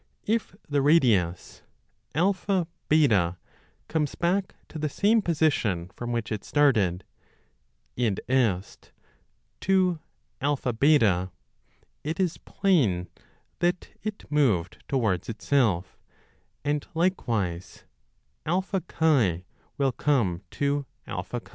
If the radius AB comes back to the same position from w^hich it started, i. e. to AB, it is plain that it moved towards itself; and likewise AX will come to 30 AX.